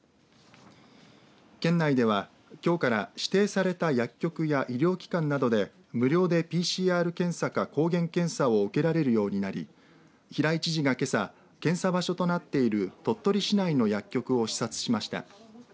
県内ではきょうから指定された薬局や医療機関などで無料でＰＣＲ検査か抗原検査を受けられるようになり平井知事がけさ検査場所となっている鳥取市内の薬局を視察しました。